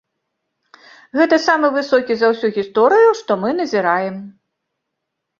Гэта самы высокі за ўсю гісторыю, што мы назіраем.